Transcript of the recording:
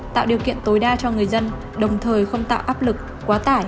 tạo điều kiện tối đa cho người dân đồng thời không tạo áp lực quá tải